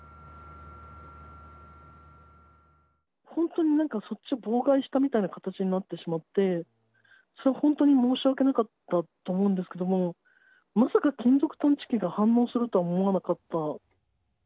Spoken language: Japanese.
本当になんか妨害したみたいな形になってしまって、それは本当に申し訳なかったと思うんですけれども、まさか金属探知機が反応するとは思わなかった。